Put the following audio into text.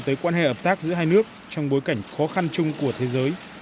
tới quan hệ hợp tác giữa hai nước trong bối cảnh khó khăn chung của thế giới